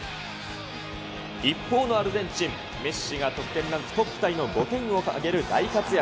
一方のアルゼンチン、メッシが得点ランクトップタイの５点を挙げる大活躍。